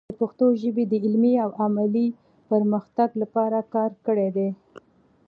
د پښتو ژبې د علمي او عملي پرمختګ لپاره کار کړی دی.